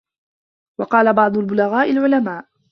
وَقَالَ بَعْضُ الْبُلَغَاءِ الْعُلَمَاءُ